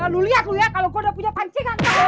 lu liat liat kalo gue udah punya pancingan